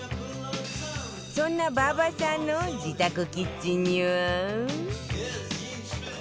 そんな馬場さんの自宅キッチンには